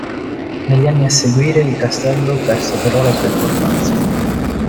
Negli anni a seguire il castello perse però la sua importanza.